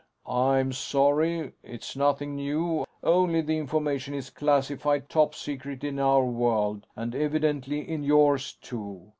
"I'm sorry. It's nothing new, only the information is classified top secret in our world; and evidently in yours, too.